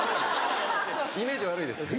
イメージ悪いですから。